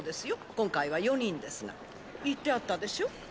今回は４人ですが言ってあったでしょう？